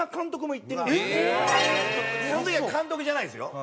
その時は監督じゃないですよ。